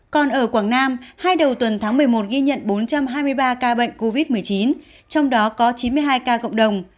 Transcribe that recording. còn ở quảng nam hai đầu tuần tháng một mươi một ghi nhận bốn trăm hai mươi ba ca bệnh covid một mươi chín trong đó có chín mươi hai ca cộng đồng